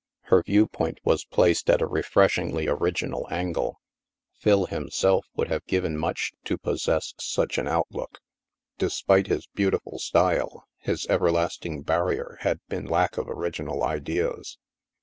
Her viewpoint was placed at a refreshingly orig 278 THE MASK inal angle. Phil, himself, would have given much to possess such an outlook. Despite his beautiful style, his everlasting barrier had been lack of orig inal ideas.